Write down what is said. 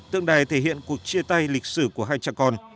tượng đài thể hiện cuộc chia tay lịch sử của hai cha con